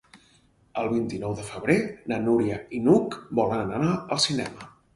El vint-i-nou de febrer na Núria i n'Hug volen anar al cinema.